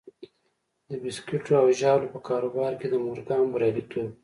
د بيسکويټو او ژاولو په کاروبار کې د مورګان برياليتوب و.